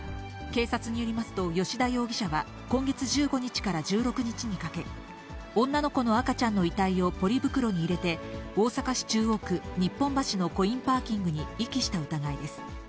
警察によりますと吉田容疑者は今月１５日から１６日にかけ、女の子の赤ちゃんの遺体をポリ袋に入れて、大阪市中央区日本橋のコインパーキングに遺棄した疑いです。